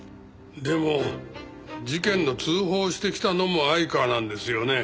でも事件の通報をしてきたのも相川なんですよね？